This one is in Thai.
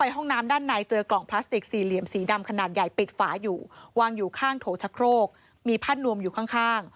ห้องน้ำด้านในเจอกล่องพลาสติกสี่เหลี่ยมสีดำขนาดใหญ่ปิดฝาอยู่วางอยู่ข้างโถชะโครกมีผ้านวมอยู่ข้าง